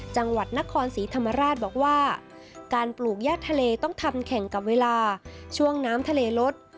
จังหวัดนครศรีธรรมราชบอกว่าการปลูกย่าทะเลต้องทำแข่งกับเวลาช่วงน้ำทะเลลด